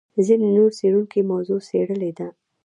ځینې نور څېړونکي موضوع څېړلې ده.